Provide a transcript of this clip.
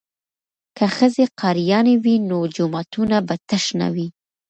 که ښځې قاریانې وي نو جوماتونه به تش نه وي.